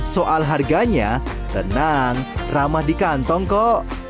soal harganya tenang ramah di kantong kok